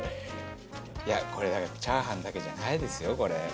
いやこれだからチャーハンだけじゃないですよこれ。